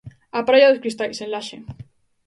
A praia dos Cristais, en Laxe.